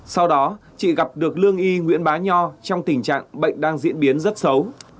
sau đó chị gặp được lương y nguyễn bá nho trong tình trạng bệnh đang diễn biến rất xấu